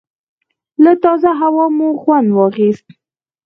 له تازه هوا مو خوند واخیست.